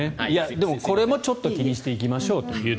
でも、これもちょっと気にしていきましょう。